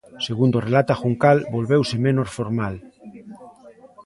Segundo relata Juncal, volveuse "menos formal".